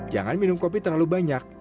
jangan minum kopi terlalu banyak